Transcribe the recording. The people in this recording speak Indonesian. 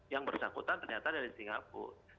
yang bersangkutan ternyata dari singapura